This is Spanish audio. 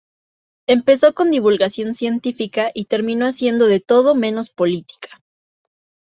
Empezó con divulgación científica y terminó haciendo de todo menos política.